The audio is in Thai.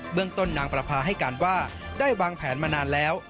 เมืองต้นนางประพาให้การว่าได้วางแผนมานานแล้ว